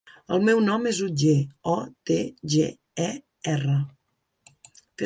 El meu nom és Otger: o, te, ge, e, erra.